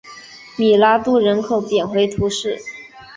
米拉杜人口变化图示